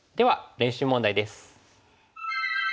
練習問題です。